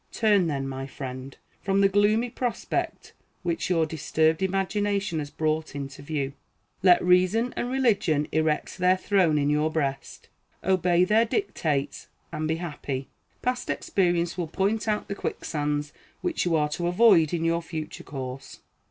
Turn then, my friend, from the gloomy prospect which your disturbed imagination has brought into view. Let reason and religion erect their throne in your breast; obey their dictates, and be happy. Past experience will point out the quicksands which you are to avoid in your future course.